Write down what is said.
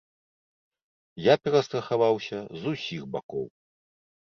Я перастрахаваўся з усіх бакоў.